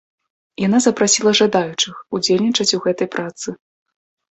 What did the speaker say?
Яна запрасіла жадаючых удзельнічаць у гэтай працы.